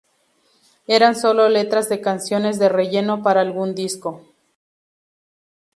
Eran sólo letras de canciones de relleno para algún disco.